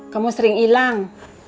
kamu sering ilang